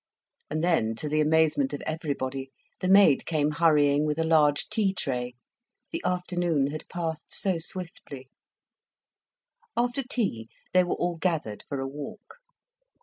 And then, to the amazement of everybody, the maid came hurrying with a large tea tray. The afternoon had passed so swiftly. After tea, they were all gathered for a walk.